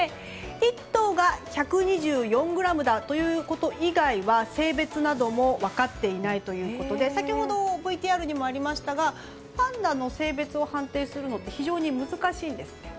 １頭が１２４ｇだということ以外は性別なども分かっていないということで先ほど、ＶＴＲにもありましたがパンダの性別を判定するのって非常に難しいんです。